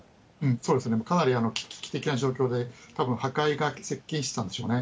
そうですね、かなり危機的な状況で、たぶん、破壊が接近してたんでしょうね。